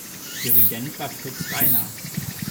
Dirigent war Fritz Reiner.